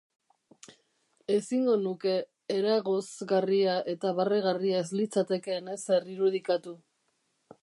Ezingo nuke eragozgarria eta barregarria ez litzatekeen ezer irudikatu.